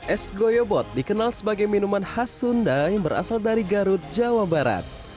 es goyobot dikenal sebagai minuman khas sunda yang berasal dari garut jawa barat